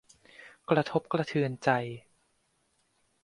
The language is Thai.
กระทบกระเทือนใจ